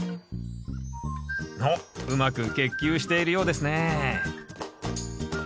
おっうまく結球しているようですね